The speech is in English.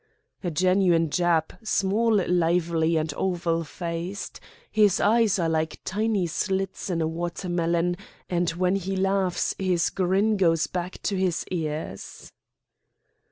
"A genuine Jap, small, lively, and oval faced. His eyes are like tiny slits in a water melon, and when he laughs his grin goes back to his ears."